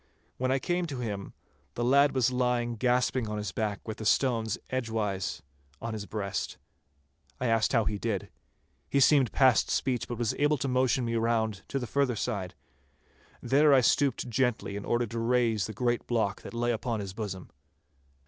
When I came to him the lad was lying gasping on his back with the stones edgewise on his breast. I asked him how he did. He seemed past speech, but was able to motion me round to the further side. There I stooped gently in order to raise the great block that lay upon his bosom.